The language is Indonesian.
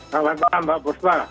selamat malam mbak bursma